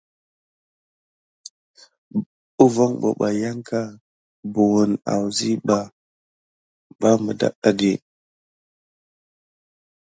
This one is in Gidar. Ɓaɗé pebay yanka buwune asiɓa holohi adaga.